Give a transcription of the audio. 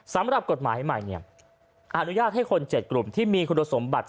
สำหรับกฎหมายใหม่อนุญาตให้คน๗กลุ่มที่มีคุณสมบัติ